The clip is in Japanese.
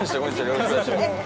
よろしくお願いします。